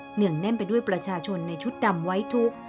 เหนืองแน่นไปด้วยประชาชนในชุดดำไว้ทุกข์